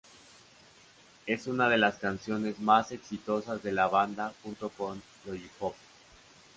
Es una de las canciones más exitosas de la banda junto con Lollipop.